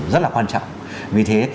rất là quan trọng vì thế